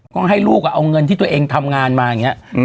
ก็ให้ลูกเอาเงินที่ตัวเองทำงานมาอย่างนี้